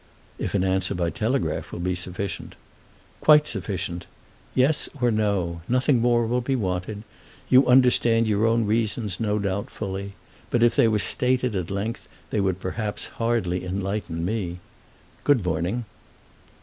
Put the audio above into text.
"If an answer by telegraph will be sufficient." "Quite sufficient. Yes or No. Nothing more will be wanted. You understand your own reasons, no doubt, fully; but if they were stated at length they would perhaps hardly enlighten me. Good morning."